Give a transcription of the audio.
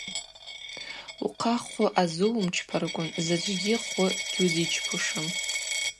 Ухъа хвы азыуымчпарквын, заджвгьи хвы гьузичпушым.